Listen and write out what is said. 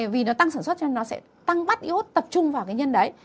vì nó tăng sản xuất cho nên nó sẽ tăng bắt yếu tập trung vào cái nhân đấy